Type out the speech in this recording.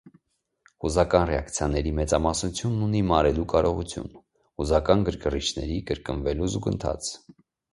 Հուզական ռեակցիաների մեծամասնությունն ունի մարելու կարողություն՝ հուզական գրգռիչների կրկնվելու զուգընթաց։